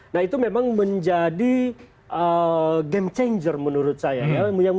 nah itu memang menjadi game changer menurut saya